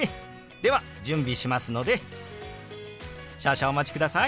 では準備しますので少々お待ちください。